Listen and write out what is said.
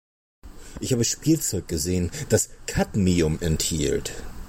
Ich habe Spielzeug gesehen, das Kadmium enthielt.